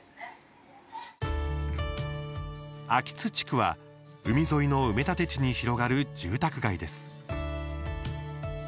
秋津地区は海沿いの埋め立て地に広がる住宅街です。